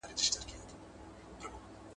که دي هوس دئ، نو دي بس دئ.